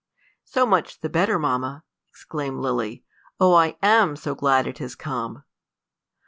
"So much the better, mamma," exclaimed Lily. "Oh, I am so glad it has come!"